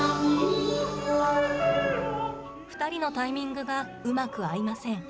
２人のタイミングがうまく合いません。